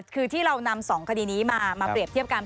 คือที่เรานำ๒คดีนี้มาเปรียบเทียบกัน